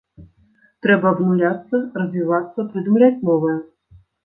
Трэба абнуляцца, развівацца, прыдумляць новае.